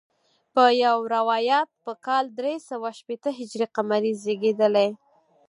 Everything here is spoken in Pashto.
په یو روایت په کال درې سوه شپېته هجري قمري زیږېدلی.